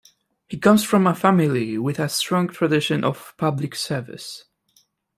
He comes from a family with a strong tradition of public service.